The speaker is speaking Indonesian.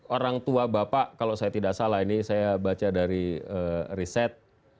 orang tua bapak kalau saya tidak salah ini saya baca dari riset